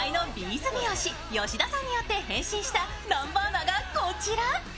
’ｚ美容師・吉田さんによって変身した南波アナがこちら。